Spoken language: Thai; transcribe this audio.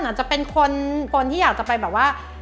อาจจะเป็นคนที่อยากจะไปแบบว่า